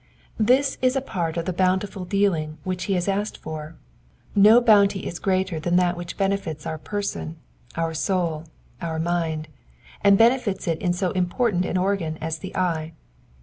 '*'* This is a part of the bountiful dealing which he has asked for ; no bounty is greater than that which benefits our person, our soul, our mind, and benefits it in so important an or^n as the eye.